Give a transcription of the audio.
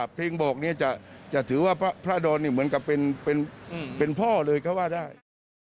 เพียงบอกเนี่ยจะถือว่าพระดรเนี่ยเหมือนกับเป็นพ่อเลยเขาว่าได้